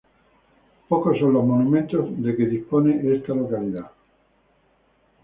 Pocos son los monumentos de que dispone esta localidad.